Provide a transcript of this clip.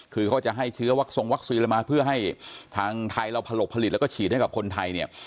คือเขาจะให้เชื้อวัคซงวัคซีนอะไรมาเพื่อให้ทางไทยเราผลกผลิตแล้วก็ฉีดให้กับคนไทยเนี่ย